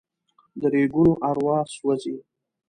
د ریګونو اروا سوزي